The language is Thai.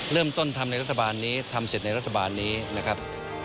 เริ่มต้นทำในรัฐบาลนี้ทำเสร็จในรัฐบาลนี้นะครับ